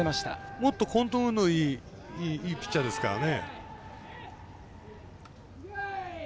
もっとコントロールのいいピッチャーですからね。